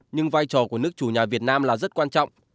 nhưng vai trò của nước chủ nhà việt nam là rất quan trọng